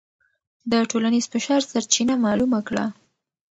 د ټولنیز فشار سرچینه معلومه کړه.